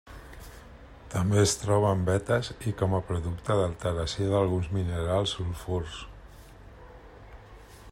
També es troba en vetes i com a producte d'alteració d'alguns minerals sulfurs.